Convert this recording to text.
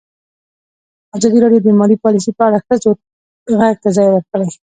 ازادي راډیو د مالي پالیسي په اړه د ښځو غږ ته ځای ورکړی.